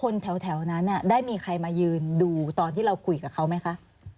คนแถวนั้นได้มีใครมายืนดูตอนที่เราคุยกับเขาไหมคะ